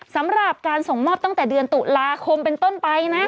สำหรับการส่งมอบตั้งแต่เดือนตุลาคมเป็นต้นไปนะ